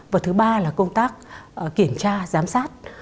và thứ ba là công tác kiểm tra giám sát